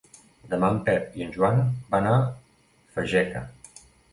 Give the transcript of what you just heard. Demà en Pep i en Joan van a Fageca.